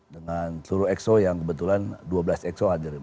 dengan seluruh exco yang kebetulan dua belas exco hadir